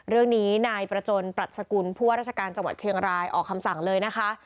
เรื่องนี้นายประจนปรัชกุลผู้ว่าราชการจังหวัดเชียงรายออกคำสั่งเลยนะคะ